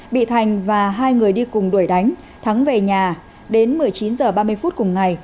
bị thành và hai người đi cùng đuổi đánh thắng về nhà đến một mươi chín h ba mươi phút cùng ngày